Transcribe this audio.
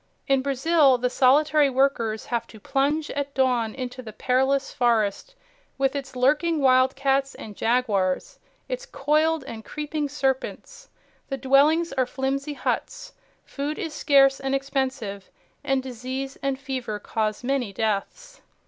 In Brazil, the solitary workers have to plunge at dawn into the perilous forest, with its lurking wildcats and jaguars, its coiled and creeping serpents. The dwellings are flimsy huts, food is scarce and expensive, and disease and fever cause many deaths.